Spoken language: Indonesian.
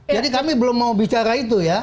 jadi kami belum mau bicara itu ya